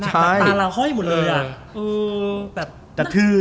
ตาเราห้อยหมดเลยอ่ะ